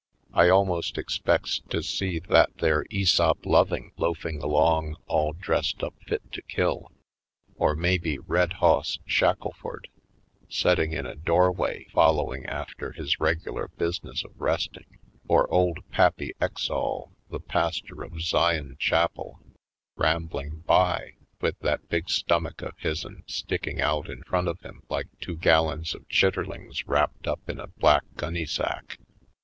I almost expects to see that there Aesop Loving loafing along all dressed up fit to kill; or maybe Red Hoss Shackleford setting in a door way following after his regular business of resting, or old Pappy Exall, the pastor of Zion Chapel, rambling by, with that big stomach of his'n sticking out in front of him like two gallons of chitterlings wrapped up in a black gunny sack.